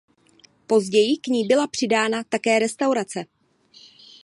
Později k ní byla přidána také restaurace.